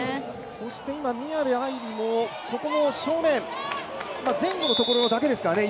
そして今、宮部藍梨の正面、前後のところだけですからね